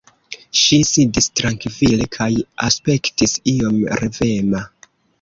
Ŝi sidis trankvile kaj aspektis iom revema.